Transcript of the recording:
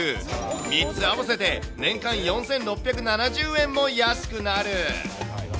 ３つ合わせて年間４６７０円も安くなる。